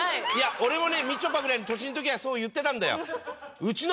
俺もねみちょぱぐらいの年の時はそう言ってたんだよ。